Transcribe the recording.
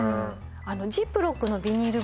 ジップロックのビニール